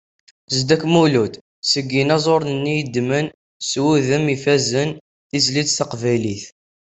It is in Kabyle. Zeddak Mulud, seg yinaẓuren-nni i yeddmen s wudem ifazen, tizlit taqbaylit.